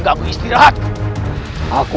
jangan kau musnahkan aku